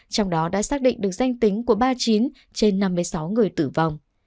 trong đó đã xác định được danh tính của ba mươi chín trên năm mươi sáu người tử vong